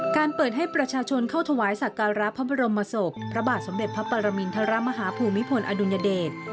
เปิดให้ประชาชนเข้าถวายสักการะพระบรมศพพระบาทสมเด็จพระปรมินทรมาฮาภูมิพลอดุลยเดช